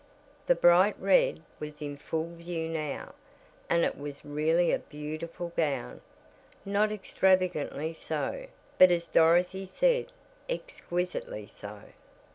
The "bright red" was in full view now, and it was really a beautiful gown. Not extravagantly so, but as Dorothy said "exquisitely so."